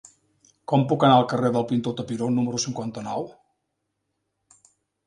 Com puc anar al carrer del Pintor Tapiró número cinquanta-nou?